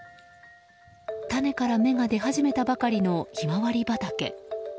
種から芽が出始めたばかりのヒマワリ畑。